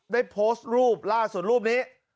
ได้โพสต์รูปล่าสุดรูปนี้